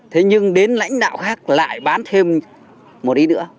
thế nhưng đến lãnh đạo khác lại bán thêm một ý nữa